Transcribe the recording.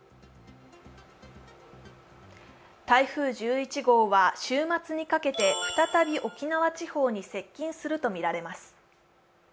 台風１１号は週末にかけて再び沖縄地方に接近するとみられます。